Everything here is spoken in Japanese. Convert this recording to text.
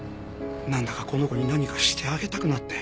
なんだかこの子に何かしてあげたくなって。